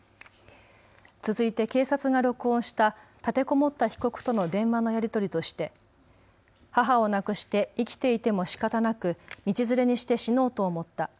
続いて警察が録音した立てこもった被告との電話のやり取りとして母を亡くして生きていてもしかたなく道連れにして死のうと思った。